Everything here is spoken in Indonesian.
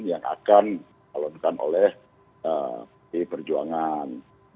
yang akan dikalonkan oleh pdi perjuangan